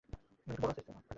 আমি অনেক পাগল তাই না?